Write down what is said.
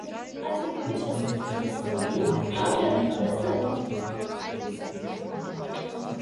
Հայտնի է իտալական օպերաներում տենոր ձայնի համար գրված դերերգերի կատարմամբ։